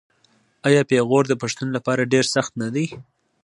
آیا پېغور د پښتون لپاره ډیر سخت نه دی؟